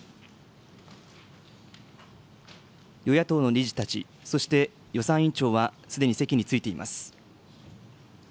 与野党の理事たち、そして予算委員長は、すでに席に着いています。